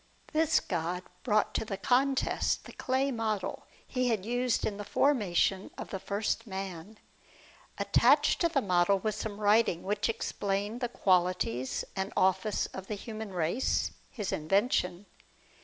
This god brought to the contest the clay so THE WAGER OF PROMETHEUS. model he had used in the formation of the first man. Attached to the model was some writing which explained the qualities and office of the human race, his invention.